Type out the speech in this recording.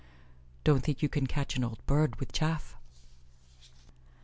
(Don't think you can catch an old bird with chaff.)